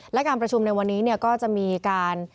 และการประชุมในวันนี้ก็จะมีการ